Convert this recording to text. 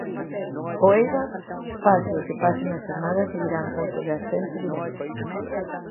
O Eibar, pase o que pase na xornada, seguirá en posto de ascenso directo.